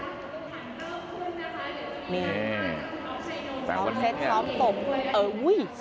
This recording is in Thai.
ซ้อมเสร็จซ้อมตบเอ้อวุ้ย